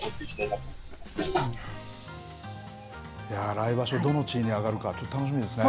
来場所、どの地位に上がるか、楽しみですね。